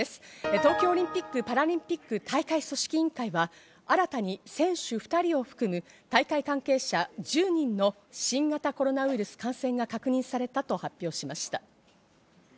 東京オリンピック・パラリンピック大会組織委員会は、新たに選手２人を含む大会関係者１０人の新型コロナウイルス感染が確認されたと発表しました。